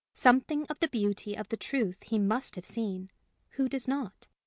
Something of the beauty of the truth he must have seen who does not?